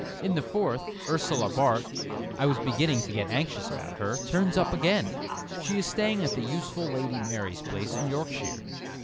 In the fourth, Ursula Bart (I was beginning to get anxious about her) turns up again. She is staying at the useful Lady Mary's place in Yorkshire.